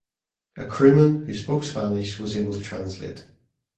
A crewman who spoke Spanish was able to translate.